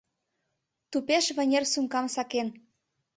Тупеш вынер сумкам сакен